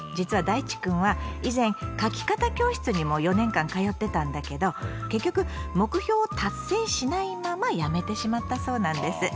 いちくんは以前書き方教室にも４年間通ってたんだけど結局目標を達成しないままやめてしまったそうなんです。